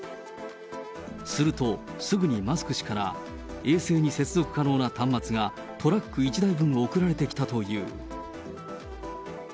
すると、すぐにマスク氏から衛星に接続可能な端末がトラック１台分送られてきたという。